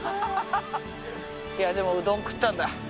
いやでもうどん食ったんだ